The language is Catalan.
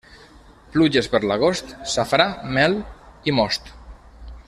Pluges per l'agost: safrà, mel i most.